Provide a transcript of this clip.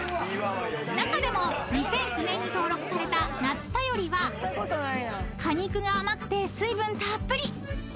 ［中でも２００９年に登録されたなつたよりは果肉が甘くて水分たっぷり］